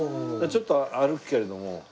ちょっと歩くけれども。